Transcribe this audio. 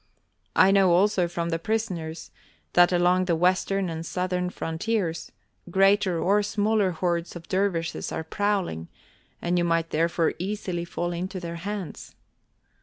I know also from the prisoners that along the western and southern frontiers greater or smaller hordes of dervishes are prowling and you might therefore easily fall into their hands.